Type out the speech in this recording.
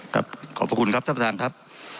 ครับขอบคุณครับท่านประธานครับ